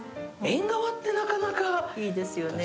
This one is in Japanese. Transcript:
縁側って、なかなかいいですよね。